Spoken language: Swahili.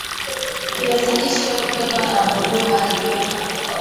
Viazi lishe hupendwa na wadudu haribifu